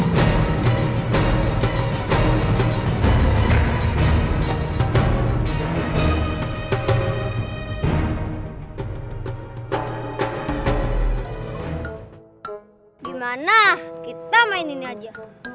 bagaimana kita mainin aja